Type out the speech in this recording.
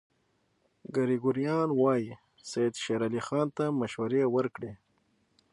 ګریګوریان وايي سید شېر علي خان ته مشورې ورکړې.